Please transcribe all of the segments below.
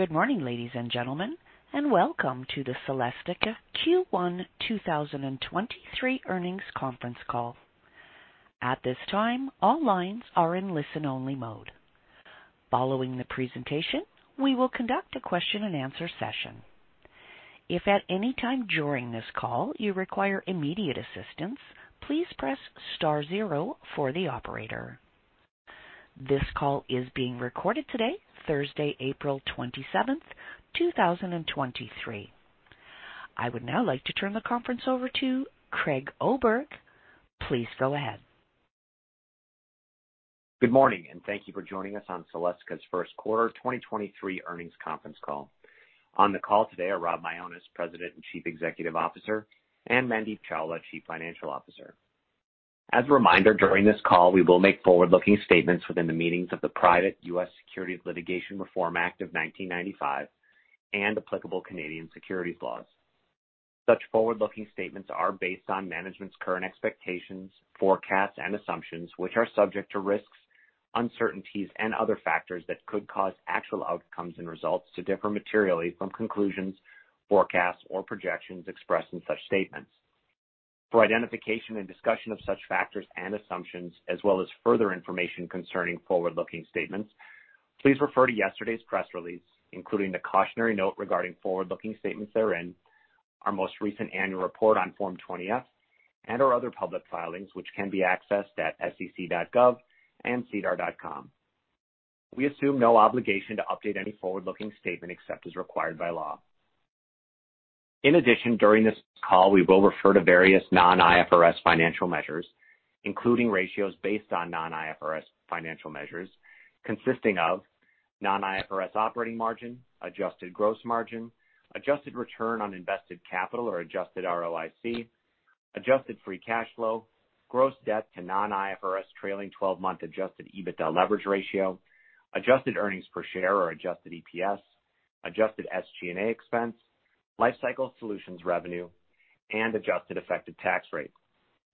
Good morning, ladies and gentlemen, Welcome to the Celestica Q1 2023 Earnings Conference Call. At this time, all lines are in listen-only mode. Following the presentation, we will conduct a question and answer session. If at any time during this call you require immediate assistance, please press star zero for the operator. This call is being recorded today, Thursday, April 27, 2023. I would now like to turn the conference over to Craig Oberg. Please go ahead. Good morning, and thank you for joining us on Celestica's first quarter 2023 earnings conference call. On the call today are Rob Mionis, President and Chief Executive Officer, and Mandeep Chawla, Chief Financial Officer. As a reminder, during this call we will make forward-looking statements within the meanings of the Private U.S. Securities Litigation Reform Act of 1995 and applicable Canadian securities laws. Such forward-looking statements are based on management's current expectations, forecasts, and assumptions, which are subject to risks, uncertainties, and other factors that could cause actual outcomes and results to differ materially from conclusions, forecasts, or projections expressed in such statements. For identification and discussion of such factors and assumptions, as well as further information concerning forward-looking statements, please refer to yesterday's press release, including the cautionary note regarding forward-looking statements therein, our most recent annual report on Form 20-F, and our other public filings, which can be accessed at sec.gov and sedar.com. We assume no obligation to update any forward-looking statement except as required by law. In addition, during this call, we will refer to various non-IFRS financial measures, including ratios based on non-IFRS financial measures consisting of non-IFRS operating margin, adjusted gross margin, adjusted return on invested capital or adjusted ROIC, adjusted free cash flow, gross debt to non-IFRS trailing-twelve-month adjusted EBITDA leverage ratio, adjusted earnings per share or adjusted EPS, adjusted SG&A expense, Lifecycle Solutions revenue, and adjusted effective tax rate.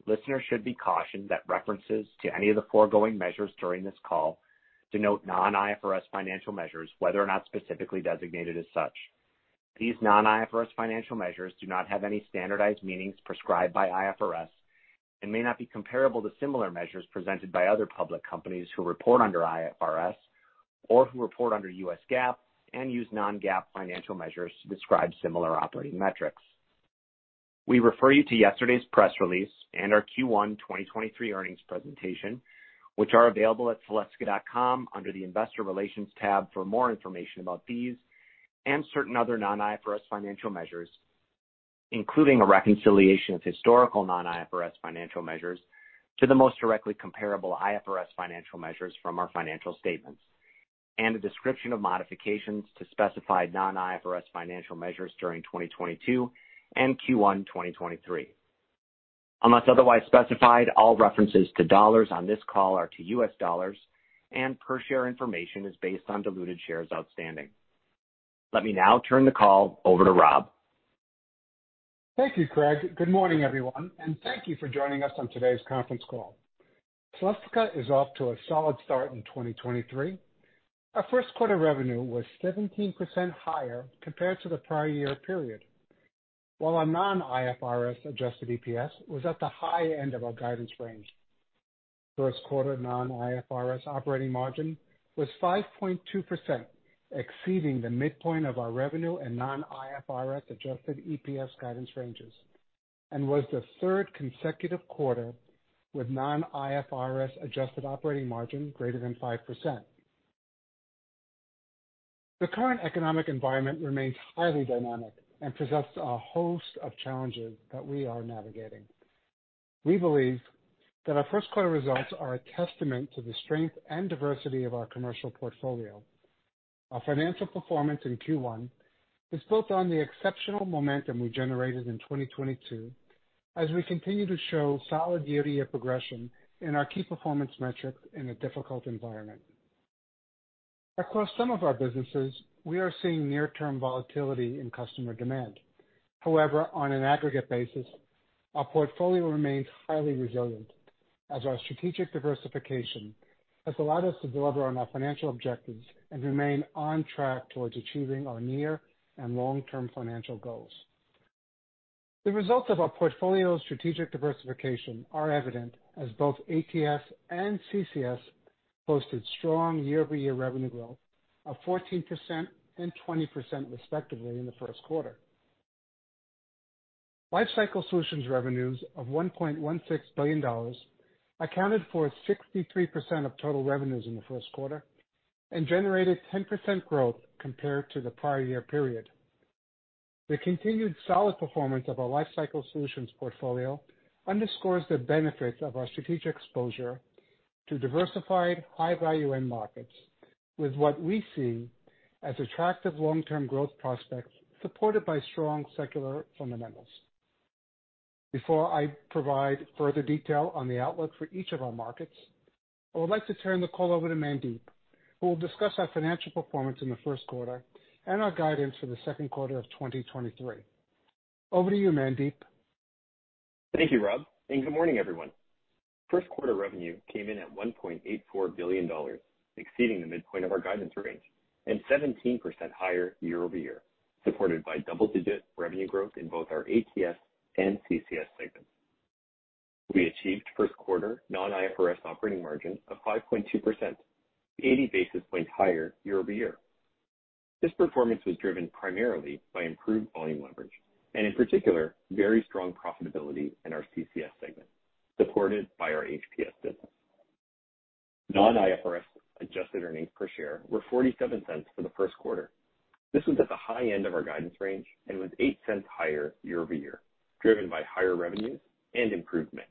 Listeners should be cautioned that references to any of the foregoing measures during this call denote non-IFRS financial measures, whether or not specifically designated as such. These non-IFRS financial measures do not have any standardized meanings prescribed by IFRS and may not be comparable to similar measures presented by other public companies who report under IFRS or who report under U.S. GAAP and use non-GAAP financial measures to describe similar operating metrics. We refer you to yesterday's press release and our Q1 2023 earnings presentation, which are available at celestica.com under the Investor Relations tab for more information about these and certain other non-IFRS financial measures, including a reconciliation of historical non-IFRS financial measures to the most directly comparable IFRS financial measures from our financial statements, and a description of modifications to specified non-IFRS financial measures during 2022 and Q1 2023. Unless otherwise specified, all references to dollars on this call are to U.S. dollars, and per share information is based on diluted shares outstanding. Let me now turn the call over to Rob. Thank you, Craig. Good morning, everyone, thank you for joining us on today's conference call. Celestica is off to a solid start in 2023. Our first quarter revenue was 17% higher compared to the prior year period, while our non-IFRS adjusted EPS was at the high end of our guidance range. First quarter non-IFRS operating margin was 5.2%, exceeding the midpoint of our revenue and non-IFRS adjusted EPS guidance ranges and was the third consecutive quarter with non-IFRS adjusted operating margin greater than 5%. The current economic environment remains highly dynamic and presents a host of challenges that we are navigating. We believe that our first quarter results are a testament to the strength and diversity of our commercial portfolio. Our financial performance in Q1 is built on the exceptional momentum we generated in 2022 as we continue to show solid year-over-year progression in our key performance metrics in a difficult environment. Across some of our businesses, we are seeing near-term volatility in customer demand. On an aggregate basis, our portfolio remains highly resilient as our strategic diversification has allowed us to deliver on our financial objectives and remain on track towards achieving our near and long-term financial goals. The results of our portfolio strategic diversification are evident as both ATS and CCS posted strong year-over-year revenue growth of 14% and 20%, respectively, in the first quarter. Lifecycle Solutions revenues of $1.16 billion accounted for 63% of total revenues in the first quarter and generated 10% growth compared to the prior year period. The continued solid performance of our Lifecycle Solutions portfolio underscores the benefits of our strategic exposure to diversified high value end markets with what we see as attractive long-term growth prospects supported by strong secular fundamentals. Before I provide further detail on the outlook for each of our markets, I would like to turn the call over to Mandeep, who will discuss our financial performance in the first quarter and our guidance for the second quarter of 2023. Over to you, Mandeep. Thank you, Rob. Good morning, everyone. First quarter revenue came in at $1.84 billion, exceeding the midpoint of our guidance range and 17% higher year-over-year, supported by double-digit revenue growth in both our ATS and CCS segments. We achieved first quarter non-IFRS operating margin of 5.2%, 80 basis points higher year-over-year. This performance was driven primarily by improved volume leverage and in particular, very strong profitability in our CCS segment, supported by our HPS business. Non-IFRS adjusted earnings per share were $0.47 for the first quarter. This was at the high end of our guidance range and was $0.08 higher year-over-year, driven by higher revenues and improved mix.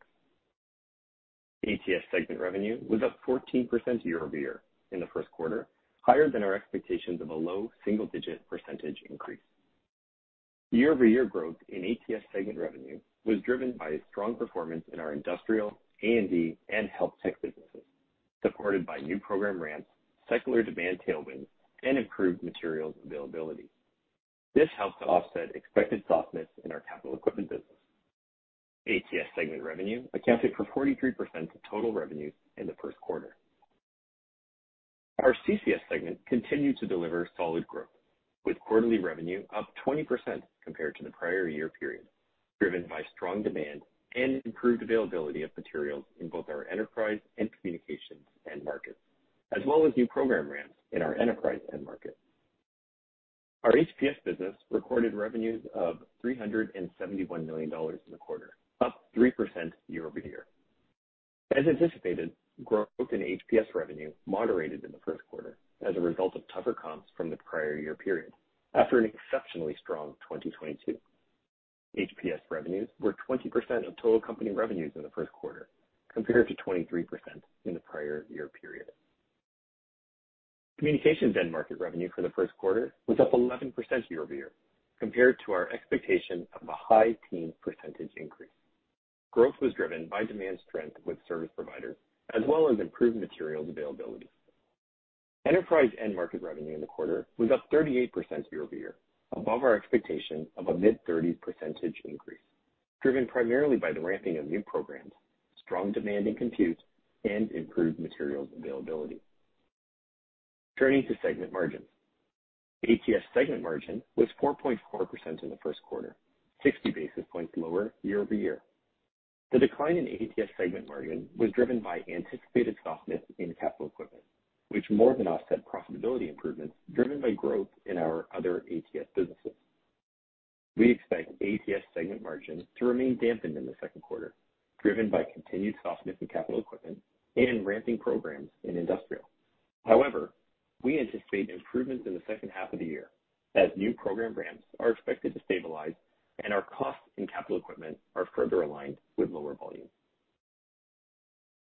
ATS segment revenue was up 14% year-over-year in the first quarter, higher than our expectations of a low single-digit percentage increase. Year-over-year growth in ATS segment revenue was driven by a strong performance in our industrial, A&D, and health tech businesses, supported by new program ramps, secular demand tailwinds, and improved materials availability. This helped to offset expected softness in our capital equipment business. ATS segment revenue accounted for 43% of total revenues in the first quarter. Our CCS segment continued to deliver solid growth, with quarterly revenue up 20% compared to the prior year period, driven by strong demand and improved availability of materials in both our enterprise and communications end markets, as well as new program ramps in our enterprise end market. Our HPS business recorded revenues of $371 million in the quarter, up 3% year-over-year. As anticipated, growth in HPS revenue moderated in the first quarter as a result of tougher comps from the prior year period after an exceptionally strong 2022. HPS revenues were 20% of total company revenues in the first quarter, compared to 23% in the prior year period. Communications end market revenue for the first quarter was up 11% year-over-year, compared to our expectation of a high teen percentage increase. Growth was driven by demand strength with service providers as well as improved materials availability. Enterprise end market revenue in the quarter was up 38% year-over-year, above our expectation of a mid-thirties % increase, driven primarily by the ramping of new programs, strong demand in compute, and improved materials availability. Turning to segment margins. ATS segment margin was 4.4% in the first quarter, 60 basis points lower year-over-year. The decline in ATS segment margin was driven by anticipated softness in capital equipment, which more than offset profitability improvements driven by growth in our other ATS businesses. We expect ATS segment margin to remain dampened in the second quarter, driven by continued softness in capital equipment and ramping programs in industrial. We anticipate improvements in the second half of the year as new program ramps are expected to stabilize and our costs in capital equipment are further aligned with lower volume.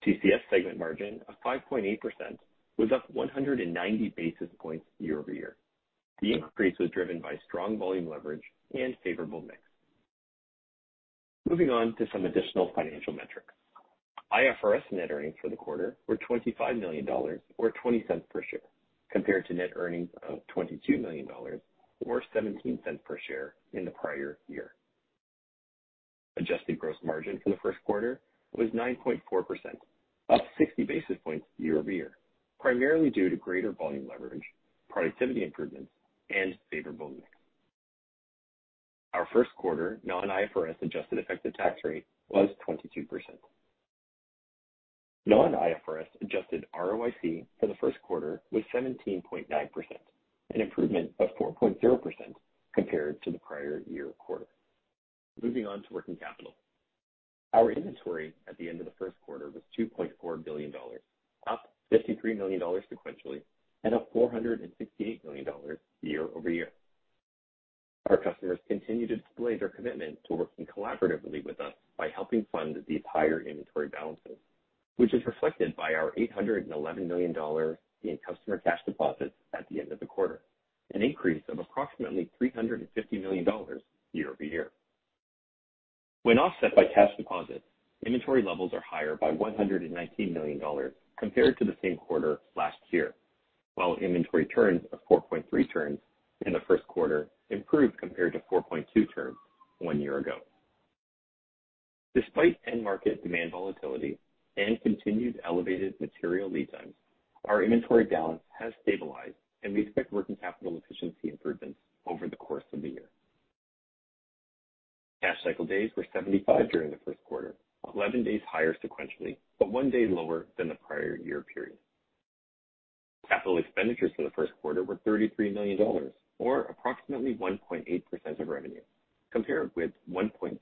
CCS segment margin of 5.8% was up 190 basis points year-over-year. The increase was driven by strong volume leverage and favorable mix. Moving on to some additional financial metrics. IFRS net earnings for the quarter were $25 million, or $0.20 per share, compared to net earnings of $22 million or $0.17 per share in the prior year. adjusted gross margin for the first quarter was 9.4%, up 60 basis points year-over-year, primarily due to greater volume leverage, productivity improvements, and favorable mix. Our first quarter non-IFRS adjusted effective tax rate was 22%. non-IFRS adjusted ROIC for the first quarter was 17.9%, an improvement of 4.0% compared to the prior year quarter. Moving on to working capital. Our inventory at the end of the first quarter was $2.4 billion, up $53 million sequentially and up $468 million year-over-year. Our customers continue to display their commitment to working collaboratively with us by helping fund these higher inventory balances, which is reflected by our $811 million in customer cash deposits at the end of the quarter, an increase of approximately $350 million year-over-year. When offset by cash deposits, inventory levels are higher by $119 million compared to the same quarter last year, while inventory turns of 4.3 turns in the first quarter improved compared to 4.2 turns one year ago. Despite end market demand volatility and continued elevated material lead times, our inventory balance has stabilized, and we expect working capital efficiency improvements over the course of the year. Cash cycle days were 75 during the first quarter, 11 days higher sequentially, but one day lower than the prior year period. Capital expenditures for the first quarter were $33 million, or approximately 1.8% of revenue, compared with 1.0%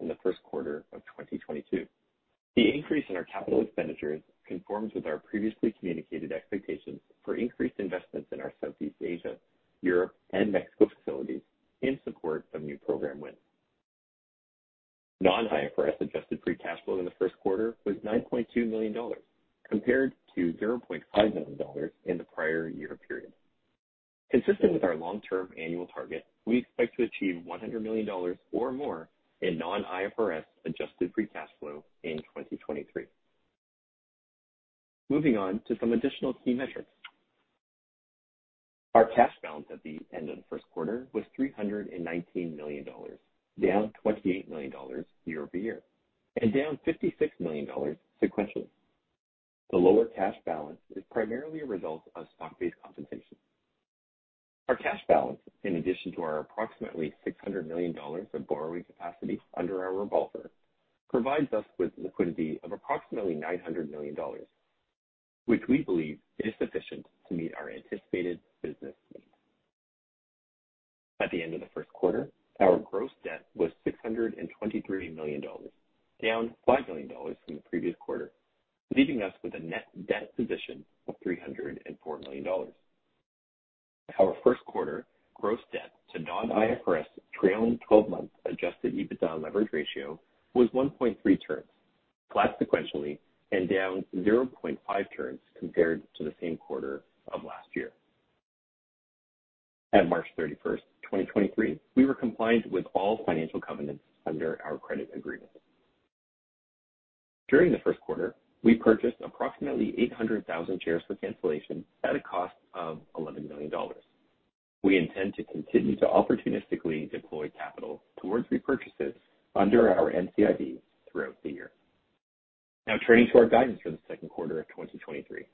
in the first quarter of 2022. The increase in our capital expenditures conforms with our previously communicated expectations for increased investments in our Southeast Asia, Europe, and Mexico facilities in support of new program wins. Non-IFRS adjusted free cash flow in the first quarter was $9.2 million, compared to $0.5 million in the prior year period. Consistent with our long-term annual target, we expect to achieve $100 million or more in non-IFRS adjusted free cash flow in 2023. Moving on to some additional key metrics. Our cash balance at the end of the first quarter was $319 million, down $28 million year-over-year, and down $56 million sequentially. The lower cash balance is primarily a result of stock-based compensation. Our cash balance, in addition to our approximately $600 million of borrowing capacity under our revolver, provides us with liquidity of approximately $900 million, which we believe is sufficient to meet our anticipated business needs. At the end of the first quarter, our gross debt was $623 million, down $5 million from the previous quarter, leaving us with a net debt position of $304 million. Our first quarter gross debt to non-IFRS trailing twelve-month adjusted EBITDA leverage ratio was 1.3 turns, flat sequentially and down 0.5 turns compared to the same quarter of last year. At March 31, 2023, we were compliant with all financial covenants under our credit agreement. During the first quarter, we purchased approximately 800,000 shares for cancellation at a cost of $11 million. We intend to continue to opportunistically deploy capital towards repurchases under our NCIB throughout the year. Now turning to our guidance for the second quarter of 2023.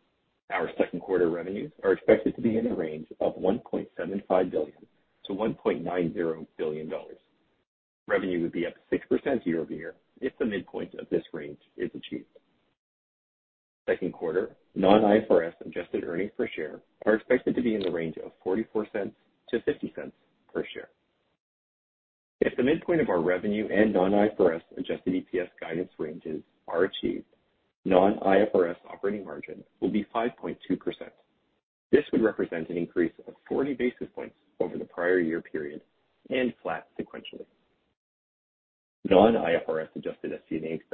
Our second quarter revenues are expected to be in the range of $1.75 billion-$1.90 billion. Revenue would be up 6% year-over-year if the midpoint of this range is achieved. Second quarter non-IFRS adjusted earnings per share are expected to be in the range of $0.44-$0.50 per share. If the midpoint of our revenue and non-IFRS adjusted EPS guidance ranges are achieved, non-IFRS operating margin will be 5.2%. This would represent an increase of 40 basis points over the prior year period and flat sequentially. Non-IFRS adjusted SG&A expense for the second quarter is expected to be in the range of $64 million-$66 million. We anticipate our non-IFRS adjusted effective tax rate to be approximately 21% for the second quarter, excluding any impact from taxable foreign exchange. Turning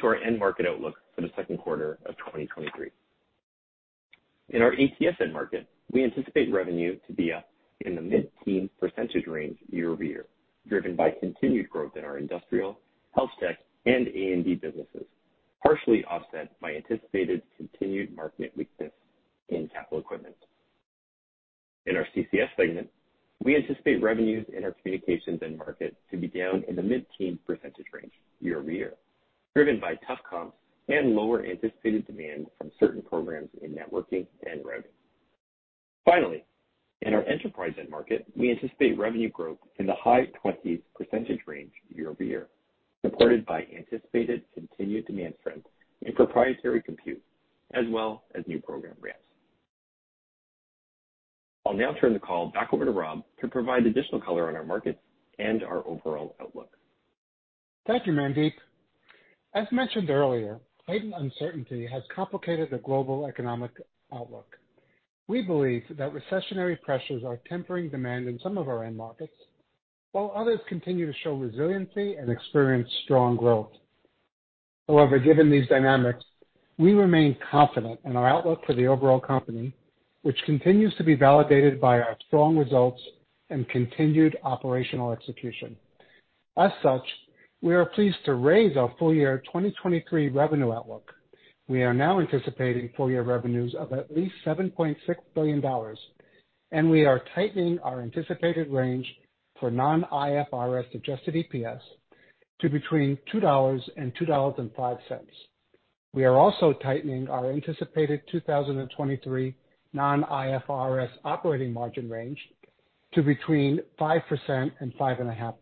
to our end market outlook for the second quarter of 2023. In our ATS end market, we anticipate revenue to be up in the mid-teen percentage range year-over-year, driven by continued growth in our industrial, health tech, and A&D businesses, partially offset by anticipated continued market weakness in capital equipment. In our CCS segment, we anticipate revenues in our communications end market to be down in the mid-teen percentage range year-over-year, driven by tough comps and lower anticipated demand from certain programs in networking and routing. In our enterprise end market, we anticipate revenue growth in the high twenties % range year-over-year, supported by anticipated continued demand trends in proprietary compute as well as new program ramps. I'll now turn the call back over to Rob to provide additional color on our markets and our overall outlook. Thank you, Mandeep. As mentioned earlier, heightened uncertainty has complicated the global economic outlook. We believe that recessionary pressures are tempering demand in some of our end markets, while others continue to show resiliency and experience strong growth. Given these dynamics, we remain confident in our outlook for the overall company, which continues to be validated by our strong results and continued operational execution. We are pleased to raise our full year 2023 revenue outlook. We are now anticipating full-year revenues of at least $7.6 billion, and we are tightening our anticipated range for non-IFRS adjusted EPS to between $2.00 and $2.05. We are also tightening our anticipated 2023 non-IFRS operating margin range to between 5% and 5.5%.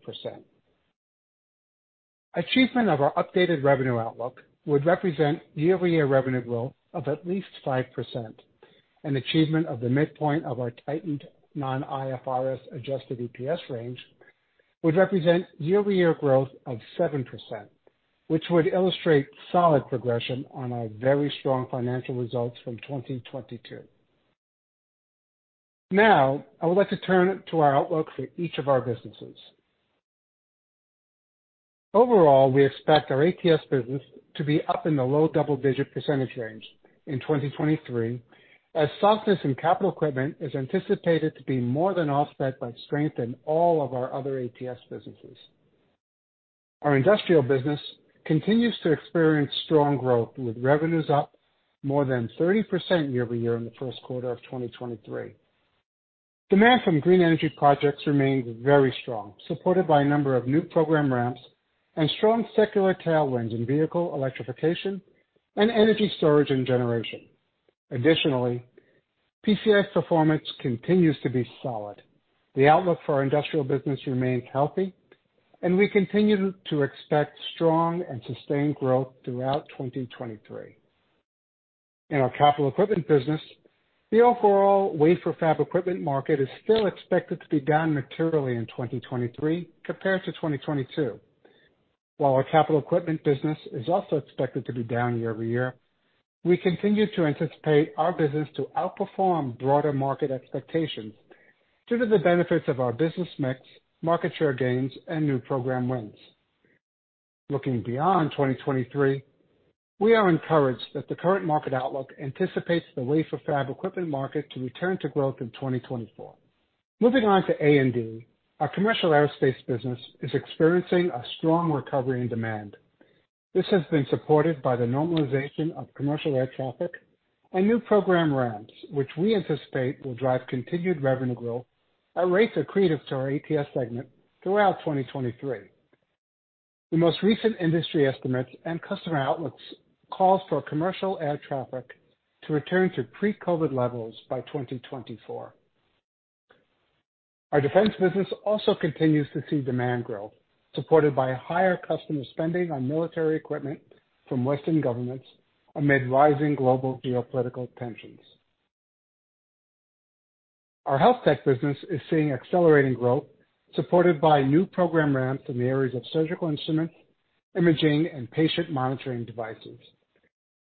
Achievement of our updated revenue outlook would represent year-over-year revenue growth of at least 5%, and achievement of the midpoint of our tightened non-IFRS adjusted EPS range would represent year-over-year growth of 7%, which would illustrate solid progression on our very strong financial results from 2022. I would like to turn to our outlook for each of our businesses. Overall, we expect our ATS business to be up in the low double-digit % range in 2023, as softness in capital equipment is anticipated to be more than offset by strength in all of our other ATS businesses. Our industrial business continues to experience strong growth, with revenues up more than 30% year-over-year in the first quarter of 2023. Demand from green energy projects remains very strong, supported by a number of new program ramps and strong secular tailwinds in vehicle electrification and energy storage and generation. Additionally, PCS performance continues to be solid. The outlook for our industrial business remains healthy, and we continue to expect strong and sustained growth throughout 2023. In our capital equipment business, the overall wafer fab equipment market is still expected to be down materially in 2023 compared to 2022. While our capital equipment business is also expected to be down year-over-year, we continue to anticipate our business to outperform broader market expectations due to the benefits of our business mix, market share gains, and new program wins. Looking beyond 2023, we are encouraged that the current market outlook anticipates the wafer fab equipment market to return to growth in 2024. Moving on to A&D. Our commercial aerospace business is experiencing a strong recovery in demand. This has been supported by the normalization of commercial air traffic and new program ramps, which we anticipate will drive continued revenue growth at rates accretive to our ATS segment throughout 2023. The most recent industry estimates and customer outlooks calls for commercial air traffic to return to pre-COVID levels by 2024. Our defense business also continues to see demand growth, supported by higher customer spending on military equipment from Western governments amid rising global geopolitical tensions. Our health tech business is seeing accelerating growth, supported by new program ramps in the areas of surgical instruments, imaging, and patient monitoring devices.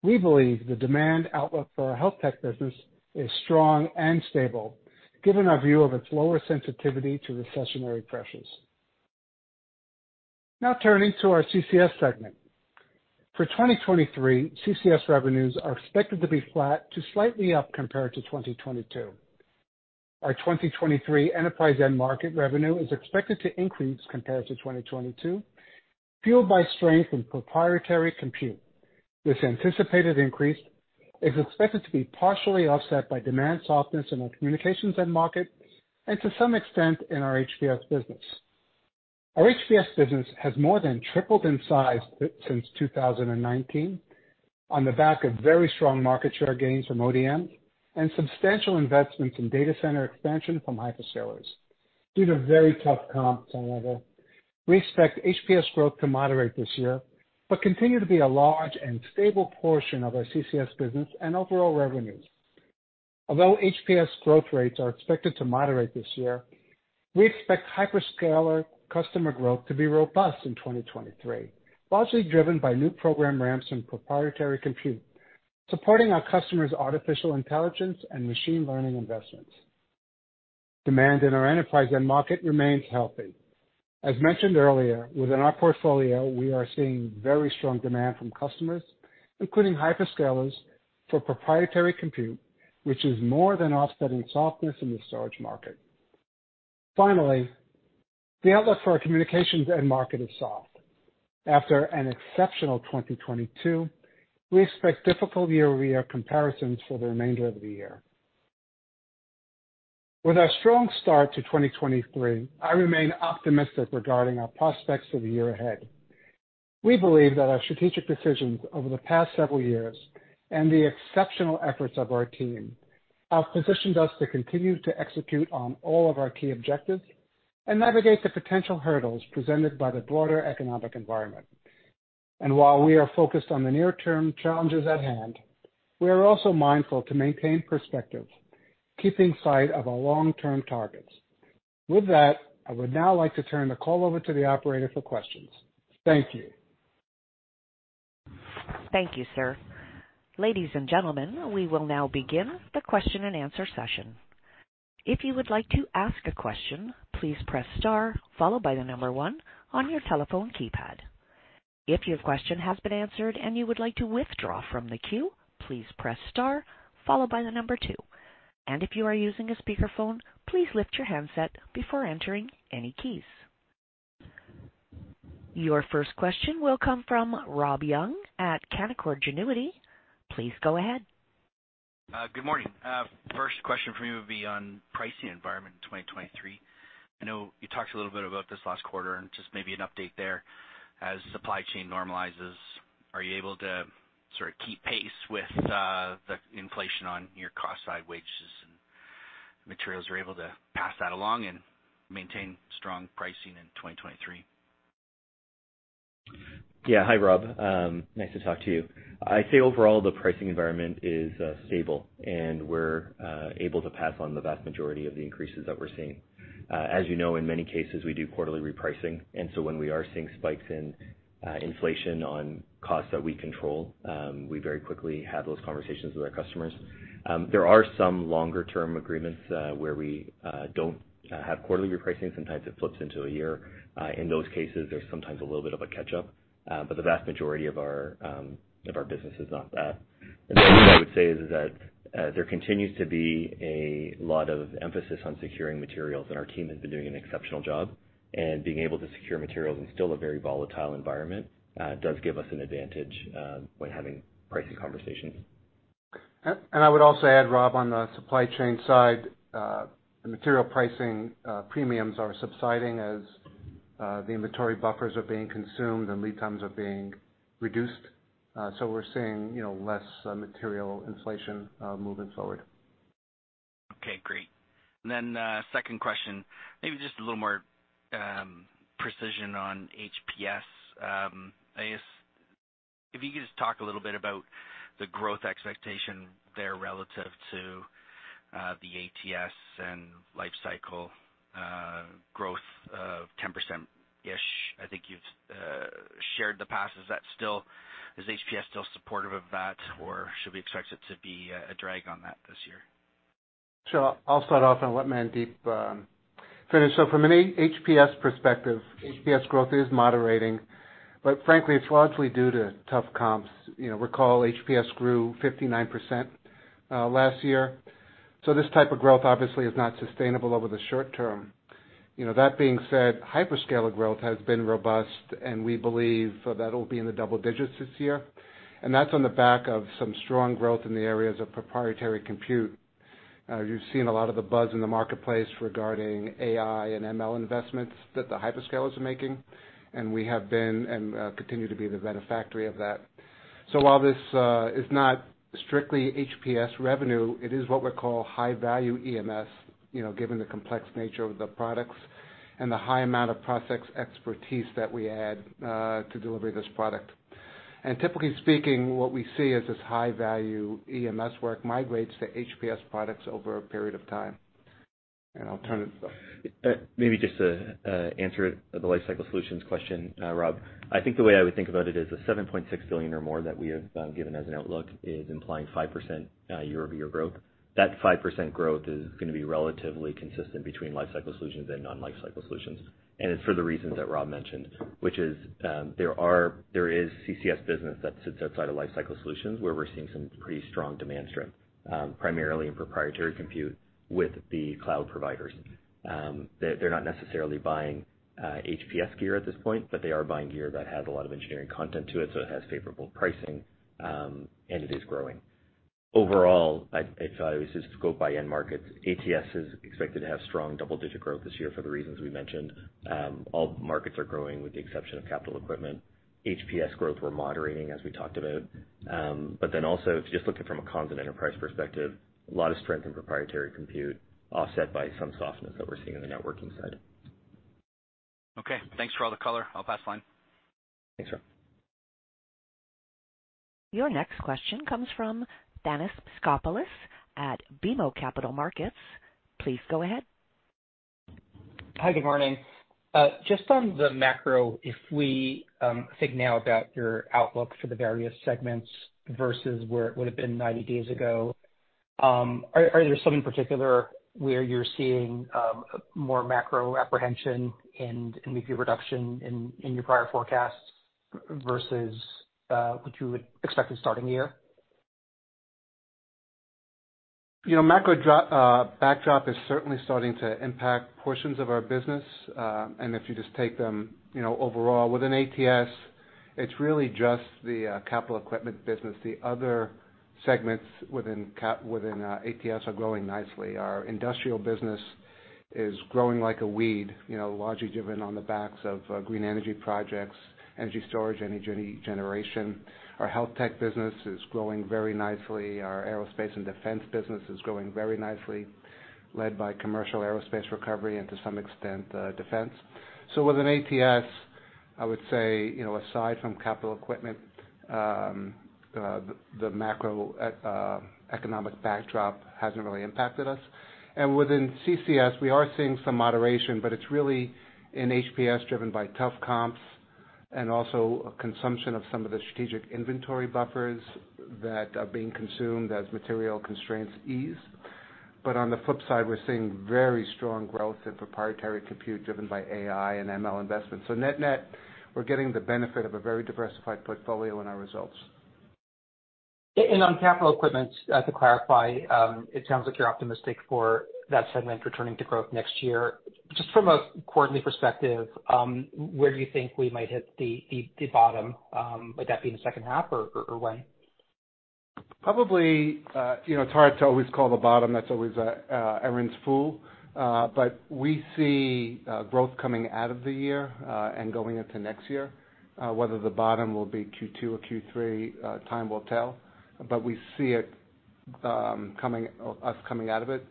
We believe the demand outlook for our health tech business is strong and stable given our view of its lower sensitivity to recessionary pressures. Turning to our CCS segment. For 2023, CCS revenues are expected to be flat to slightly up compared to 2022. Our 2023 enterprise end market revenue is expected to increase compared to 2022, fueled by strength in proprietary compute. This anticipated increase is expected to be partially offset by demand softness in our communications end market and to some extent in our HPS business. Our HPS business has more than tripled in size since 2019 on the back of very strong market share gains from ODM and substantial investments in data center expansion from hyperscalers. Due to very tough comps however, we expect HPS growth to moderate this year, but continue to be a large and stable portion of our CCS business and overall revenues. Although HPS growth rates are expected to moderate this year, we expect hyperscaler customer growth to be robust in 2023, largely driven by new program ramps in proprietary compute, supporting our customers' artificial intelligence and machine learning investments. Demand in our enterprise end market remains healthy. As mentioned earlier, within our portfolio, we are seeing very strong demand from customers, including hyperscalers, for proprietary compute, which is more than offsetting softness in the storage market. Finally, the outlook for our communications end market is soft. After an exceptional 2022, we expect difficult year-over-year comparisons for the remainder of the year. With our strong start to 2023, I remain optimistic regarding our prospects for the year ahead. We believe that our strategic decisions over the past several years and the exceptional efforts of our team have positioned us to continue to execute on all of our key objectives and navigate the potential hurdles presented by the broader economic environment. While we are focused on the near-term challenges at hand, we are also mindful to maintain perspective, keeping sight of our long-term targets. With that, I would now like to turn the call over to the operator for questions. Thank you. Thank you, sir. Ladies and gentlemen, we will now begin the question-and-answer session. If you would like to ask a question, please press star followed by one on your telephone keypad. If your question has been answered and you would like to withdraw from the queue, please press star followed by two. If you are using a speakerphone, please lift your handset before entering any keys. Your first question will come from Rob Young at Canaccord Genuity. Please go ahead. Good morning. First question for you would be on pricing environment in 2023. I know you talked a little bit about this last quarter, just maybe an update there. As supply chain normalizes, are you able to sort of keep pace with the inflation on your cost side, wages and materials? Are you able to pass that along and maintain strong pricing in 2023? Yeah. Hi, Rob. Nice to talk to you. I'd say overall the pricing environment is stable, and we're able to pass on the vast majority of the increases that we're seeing. As you know, in many cases, we do quarterly repricing. When we are seeing spikes in inflation on costs that we control, we very quickly have those conversations with our customers. There are some longer-term agreements where we don't have quarterly repricing. Sometimes it flips into a year. In those cases, there's sometimes a little bit of a catch-up. The vast majority of our business is not that. The third thing I would say is that there continues to be a lot of emphasis on securing materials, and our team has been doing an exceptional job. Being able to secure materials in still a very volatile environment, does give us an advantage, when having pricing conversations. I would also add, Rob, on the supply chain side, the material pricing premiums are subsiding as the inventory buffers are being consumed and lead times are being reduced. We're seeing, you know, less material inflation moving forward. Okay. Great. Second question. Maybe just a little more precision on HPS. I guess if you could just talk a little bit about the growth expectation there relative to the ATS and Lifecycle growth of 10%-ish. I think you've shared the past. Is HPS still supportive of that, or should we expect it to be a drag on that this year? I'll start off and let Mandeep finish. From an A-HPS perspective, HPS growth is moderating, but frankly, it's largely due to tough comps. You know, recall HPS grew 59% last year. This type of growth obviously is not sustainable over the short term. You know, that being said, hyperscaler growth has been robust, and we believe that'll be in the double digits this year. That's on the back of some strong growth in the areas of proprietary compute. You've seen a lot of the buzz in the marketplace regarding AI and ML investments that the hyperscalers are making, and we have been and continue to be the beneficiary of that. While this is not strictly HPS revenue, it is what we call high-value EMS, you know, given the complex nature of the products and the high amount of process expertise that we add to deliver this product. Typically speaking, what we see is this high-value EMS work migrates to HPS products over a period of time. I'll turn it to. Maybe just to answer the Lifecycle Solutions question, Rob. I think the way I would think about it is the $7.6 billion or more that we have given as an outlook is implying 5% year-over-year growth. That 5% growth is gonna be relatively consistent between Lifecycle Solutions and non-Lifecycle Solutions. It's for the reasons that Rob mentioned, which is, there is CCS business that sits outside of Lifecycle Solutions, where we're seeing some pretty strong demand strength, primarily in proprietary compute with the cloud providers. They're not necessarily buying HPS gear at this point, but they are buying gear that has a lot of engineering content to it, so it has favorable pricing, and it is growing. Overall, I'd say if you just go by end markets, ATS is expected to have strong double-digit growth this year for the reasons we mentioned. All markets are growing with the exception of capital equipment. HPS growth, we're moderating, as we talked about. Also, if you're just looking from a comms and enterprise perspective, a lot of strength in proprietary compute offset by some softness that we're seeing on the networking side. Okay. Thanks for all the color. I'll pass the line. Thanks, Rob. Your next question comes from Thanos Moschopoulos at BMO Capital Markets. Please go ahead. Hi, good morning. Just on the macro, if we think now about your outlook for the various segments versus where it would've been 90 days ago, are there some in particular where you're seeing more macro apprehension and review reduction in your prior forecasts versus what you would expect this time of year? You know, macro backdrop is certainly starting to impact portions of our business. If you just take them, you know, overall, within ATS, it's really just the capital equipment business. The other segments within ATS are growing nicely. Our industrial business is growing like a weed, you know, largely driven on the backs of green energy projects, energy storage, energy generation. Our health tech business is growing very nicely. Our Aerospace & Defense business is growing very nicely, led by commercial aerospace recovery and to some extent, defense. Within ATS, I would say, you know, aside from capital equipment, the macro economic backdrop hasn't really impacted us. Within CCS, we are seeing some moderation, but it's really in HPS driven by tough comps and also a consumption of some of the strategic inventory buffers that are being consumed as material constraints ease. On the flip side, we're seeing very strong growth in proprietary compute driven by AI and ML investments. Net-net, we're getting the benefit of a very diversified portfolio in our results. On capital equipment, to clarify, it sounds like you're optimistic for that segment returning to growth next year. Just from a quarterly perspective, where do you think we might hit the bottom? Would that be in the second half or when? Probably, you know, it's hard to always call the bottom. That's always everyone's fool. We see growth coming out of the year and going into next year. Whether the bottom will be Q2 or Q3, time will tell. We see it coming, us coming out of it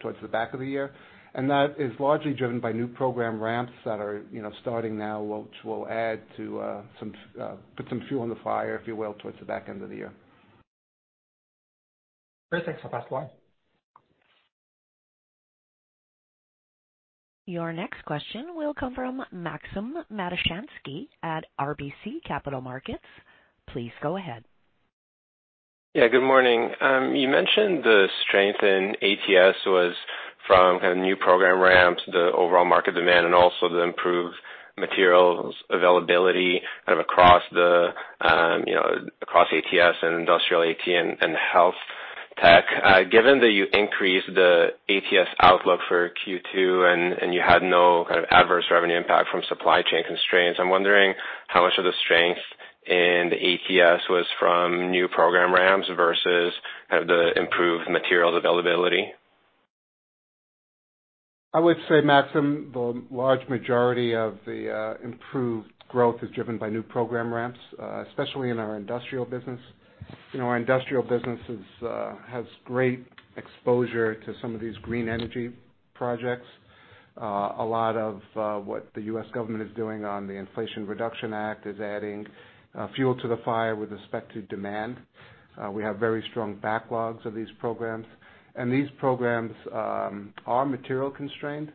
towards the back of the year. That is largely driven by new program ramps that are, you know, starting now, which will add to some, put some fuel on the fire, if you will, towards the back end of the year. Great. Thanks. I'll pass the line. Your next question will come from Maxim Matushansky at RBC Capital Markets. Please go ahead. Yeah, good morning. You mentioned the strength in ATS was from kind of new program ramps, the overall market demand, and also the improved materials availability kind of across the, you know, across ATS and industrial AT and health tech. Given that you increased the ATS outlook for Q2 and you had no kind of adverse revenue impact from supply chain constraints, I'm wondering how much of the strength in the ATS was from new program ramps versus kind of the improved materials availability? I would say, Maxim, the large majority of the improved growth is driven by new program ramps, especially in our industrial business. You know, our industrial business is has great exposure to some of these green energy projects. A lot of what the U.S. government is doing on the Inflation Reduction Act is adding fuel to the fire with respect to demand. We have very strong backlogs of these programs. These programs are material constrained.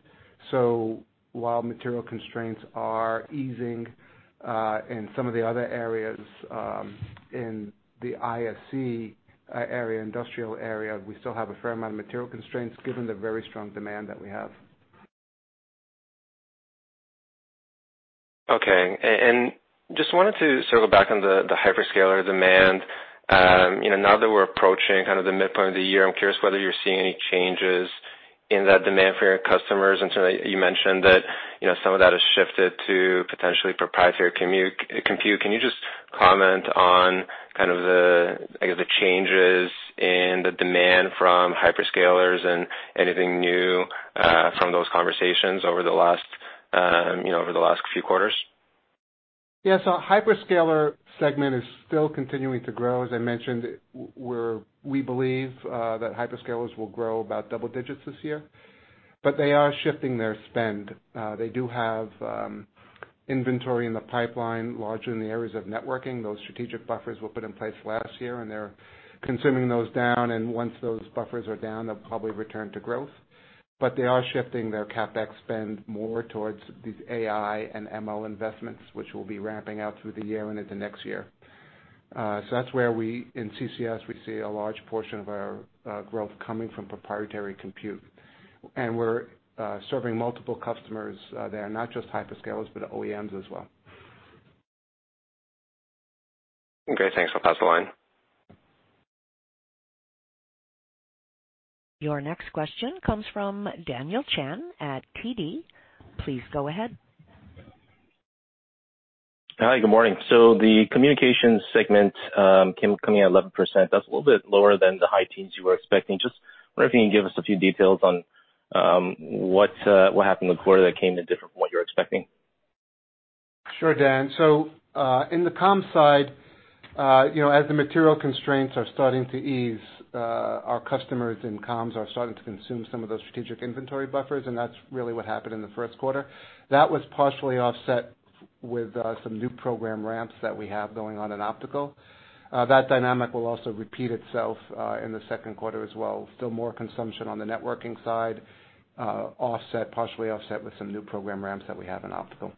While material constraints are easing in some of the other areas in the ISC area, industrial area, we still have a fair amount of material constraints given the very strong demand that we have. Okay. Just wanted to circle back on the hyperscaler demand. You know, now that we're approaching kind of the midpoint of the year, I'm curious whether you're seeing any changes in that demand for your customers. You mentioned that, you know, some of that has shifted to potentially proprietary compute. Can you just comment on kind of the, I guess, the changes in the demand from hyperscalers and anything new, from those conversations over the last, you know, over the last few quarters? Yeah. Hyperscaler segment is still continuing to grow. As I mentioned, we believe that hyperscalers will grow about double digits this year, they are shifting their spend. They do have inventory in the pipeline, largely in the areas of networking. Those strategic buffers were put in place last year, they're consuming those down, once those buffers are down, they'll probably return to growth. They are shifting their CapEx spend more towards these AI and ML investments, which will be ramping out through the year and into next year. That's where we, in CCS, we see a large portion of our growth coming from proprietary compute. We're serving multiple customers there. Not just hyperscalers, but OEMs as well. Great. Thanks. I'll pass the line. Your next question comes from Daniel Chan at TD. Please go ahead. Hi. Good morning. The communications segment, coming in at 11%, that's a little bit lower than the high teens you were expecting. Just wondering if you can give us a few details on what's what happened in the quarter that came in different from what you're expecting? Sure, Dan. In the comms side, you know, as the material constraints are starting to ease, our customers in comms are starting to consume some of those strategic inventory buffers, and that's really what happened in the first quarter. That was partially offset with, some new program ramps that we have going on in optical. That dynamic will also repeat itself, in the second quarter as well. Still more consumption on the networking side, offset, partially offset with some new program ramps that we have in optical.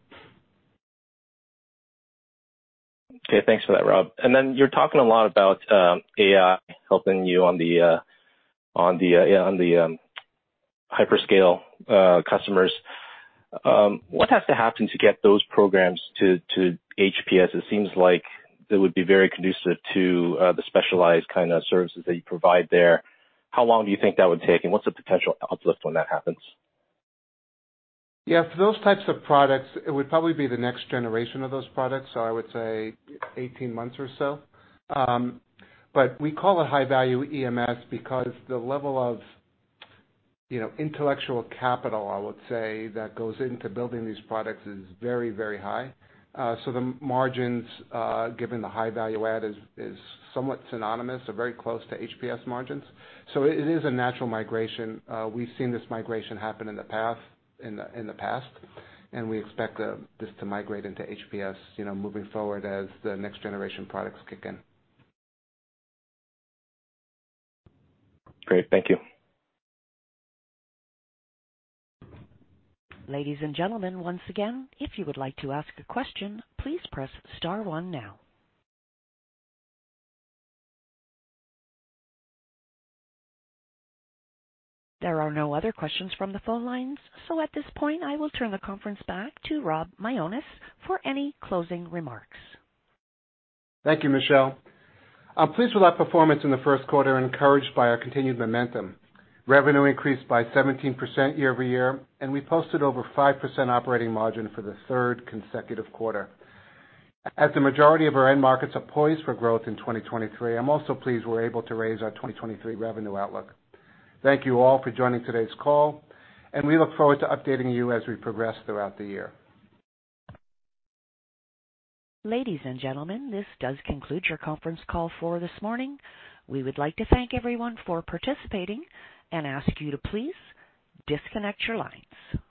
Okay. Thanks for that, Rob. You're talking a lot about AI helping you on the hyperscale customers. What has to happen to get those programs to HPS? It seems like it would be very conducive to the specialized kinda services that you provide there. How long do you think that would take, and what's the potential uplift when that happens? For those types of products, it would probably be the next generation of those products, so I would say 18 months or so. But we call it high value EMS because the level of, you know, intellectual capital, I would say, that goes into building these products is very, very high. So the margins, given the high value add, is somewhat synonymous or very close to HPS margins. It is a natural migration. We've seen this migration happen in the past, and we expect this to migrate into HPS, you know, moving forward as the next generation products kick in. Great. Thank you. Ladies and gentlemen, once again, if you would like to ask a question, please press star 1 now. There are no other questions from the phone lines. At this point, I will turn the conference back to Rob Mionis for any closing remarks. Thank you, Michelle. I'm pleased with our performance in the first quarter and encouraged by our continued momentum. Revenue increased by 17% year-over-year, and we posted over 5% operating margin for the third consecutive quarter. As the majority of our end markets are poised for growth in 2023, I'm also pleased we're able to raise our 2023 revenue outlook. Thank you all for joining today's call, and we look forward to updating you as we progress throughout the year. Ladies and gentlemen, this does conclude your conference call for this morning. We would like to thank everyone for participating and ask you to please disconnect your lines.